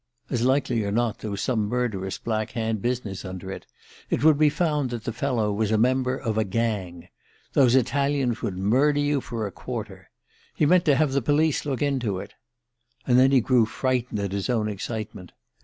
As likely as not there was some murderous Black hand business under it it would be found that the fellow was a member of a 'gang.' Those Italians would murder you for a quarter. He meant to have the police look into it... And then he grew frightened at his own excitement.